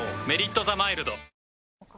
「メリットザマイルド」